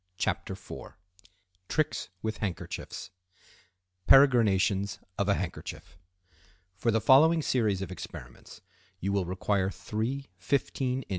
CHAPTER IV TRICKS WITH HANDKERCHIEFS Peregrinations of a Handkerchief.—For the following series of experiments you will require three 15 in.